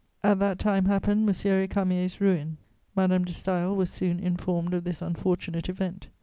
At that time happened M. Récamier's ruin; Madame de Staël was soon informed of this unfortunate event.